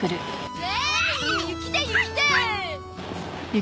え